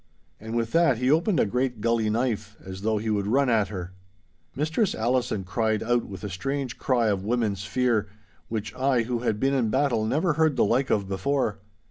And with that he opened a great gully knife, as though he would run at her. Mistress Allison cried out with a strange cry of woman's fear, which I who had been in battle never heard the like of before.